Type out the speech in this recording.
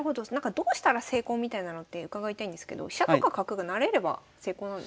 どうしたら成功みたいなのって伺いたいんですけど飛車とか角が成れれば成功なんですか？